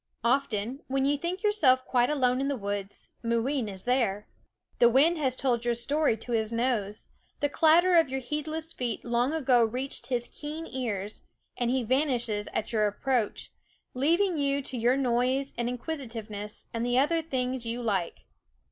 Often, when you think yourself quite alone in the woods, Mooween is there. The wind has told your story to his nose; the clatter of your heedless feet long ago reached his keen ears, and he vanishes at your approach, leaving you to your noise and inquisitiveness and the other things you like.